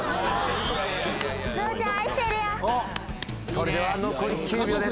それでは残り９秒です。